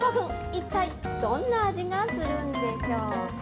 一体どんな味がするんでしょうか。